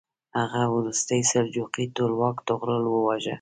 هغه وروستی سلجوقي ټولواک طغرل وواژه.